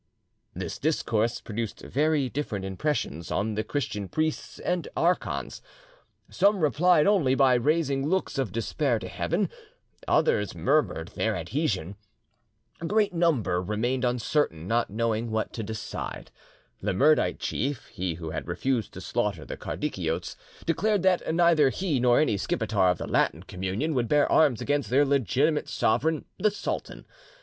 This discourse produced very different impressions on the Christian priests and archons. Some replied only by raising looks of despair to Heaven, others murmured their adhesion. A great number remained uncertain, not knowing what to decide. The Mirdite chief, he who had refused to slaughter the Kardikiotes, declared that neither he nor any Skipetar of the Latin communion would bear arms against their legitimate sovereign the sultan.